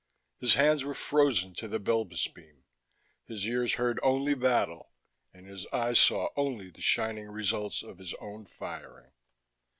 His hands were frozen to the Belbis beam, his ears heard only battle and his eyes saw only the shining results of his own firing.